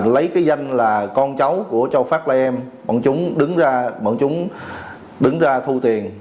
lấy cái danh là con cháu của châu phát lai em bọn chúng đứng ra thu tiền